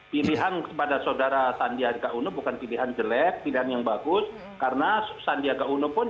pilihan kepada saudara sandiaga uno bukan pilihan jelek pilihan yang bagus karena sandiaga uno pun